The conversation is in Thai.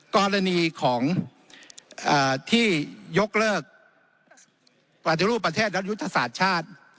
กรณีของที่ยกเลิกปฏิรูปประเทศและยุทธศาสตร์ชาติ